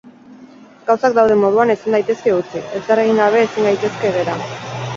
Gauzak dauden moduan ezin daitezke utzi, ezer egin gabe ezin gaitezke gera.